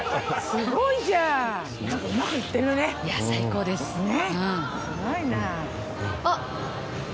すごいね！